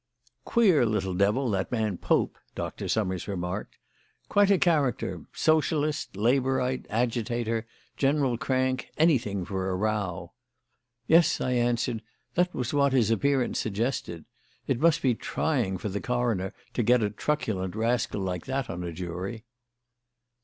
"Queer little devil, that man, Pope," Dr. Summers remarked. "Quite a character; socialist, labourite, agitator, general crank; anything for a row." "Yes," I answered, "that was what his appearance suggested. It must be trying for the coroner to get a truculent rascal like that on a jury."